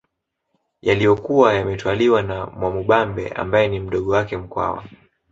Yaliyokuwa yametwaliwa na Mwamubambe ambaye ni mdogo wake Mkwawa